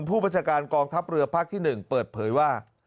ผู้บัญชาการกองทัพเรือภาคที่๑เปิดเผยว่า